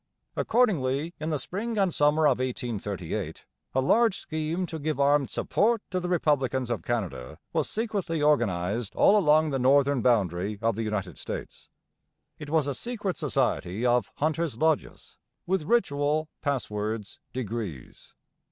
Accordingly, in the spring and summer of 1838, a large scheme to give armed support to the republicans of Canada was secretly organized all along the northern boundary of the United States. It was a secret society of 'Hunters' Lodges,' with ritual, passwords, degrees.